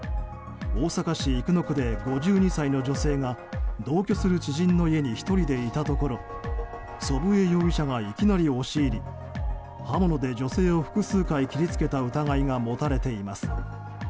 大阪市生野区で５２歳の女性が同居する知人の家に１人でいたところ祖父江容疑者がいきなり押し入り刃物で女性を複数回切りつけた疑いが持たれています。